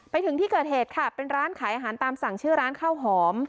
ไปถึงที่เกิดเหตุค่ะเป็นร้านขายอาหารตามสั่งชื่อร้านข้าวหอม